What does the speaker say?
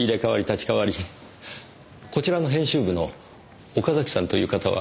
こちらの編集部の岡崎さんという方は？